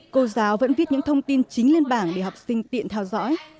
cô giáo vẫn viết những thông tin chính lên bảng để học sinh tiện theo dõi